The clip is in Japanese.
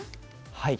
はい。